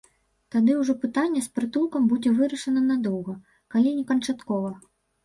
Тады ўжо пытанне з прытулкам будзе вырашана надоўга, калі не канчаткова.